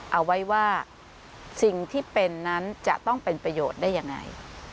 เอาไว้ว่าสิ่งที่เป็นนั้นจะต้องเป็นประโยชน์ได้ยังไง